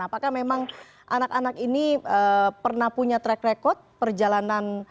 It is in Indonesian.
apakah memang anak anak ini pernah punya track record perjalanan